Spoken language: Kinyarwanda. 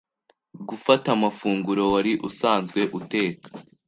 Gufata amafunguro wari usanzwe uteka